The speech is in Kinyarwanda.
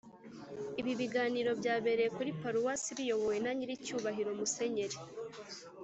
ibi biganiro byabereye kuri paluwasi biyobowe na nyiricyubahiro musenyeri